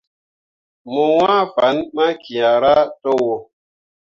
Mo wãã fan ma kiahra towo.